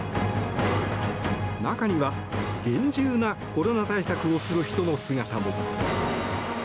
中には、厳重なコロナ対策をする人の姿も。